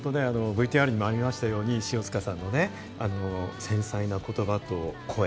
ＶＴＲにもありましたように塩塚さんのね、繊細な言葉と声。